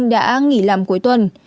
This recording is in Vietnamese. đã nghỉ làm cuối tuần